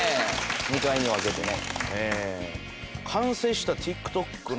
２回に分けてね。